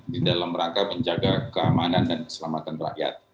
di dalam rangka menjaga keamanan dan keselamatan rakyat